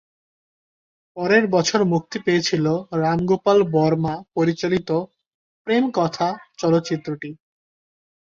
পরের বছর মুক্তি পেয়েছিল রাম গোপাল বর্মা পরিচালিত তাঁর "প্রেম কথা" চলচ্চিত্রটি।